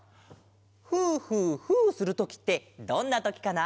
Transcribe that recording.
「ふーふーふー」するときってどんなときかな？